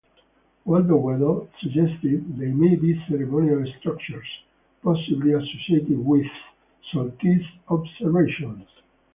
Waldo Wedel suggested they may be ceremonial structures, possibly associated with solstice observations.